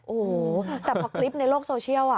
โอ้โหแต่พอคลิปในโลกโซเชียล